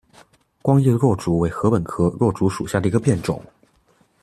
光叶箬竹为禾本科箬竹属下的一个变种。